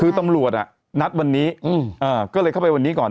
คือตำรวจนัดวันนี้ก็เลยเข้าไปวันนี้ก่อน